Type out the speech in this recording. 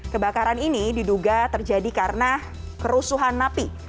kebakaran ini diduga terjadi karena kerusuhan napi